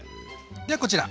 ではこちら。